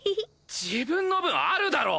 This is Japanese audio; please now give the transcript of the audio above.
自分の分あるだろ！